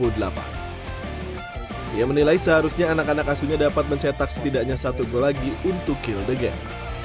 dia menilai seharusnya anak anak asunya dapat mencetak setidaknya satu gol lagi untuk kill the game